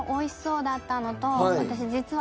私実は。